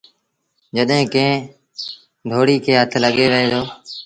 جڏهيݩ ڪݩهݩ دوڙيٚ کي هٿ لڳي وهي دو۔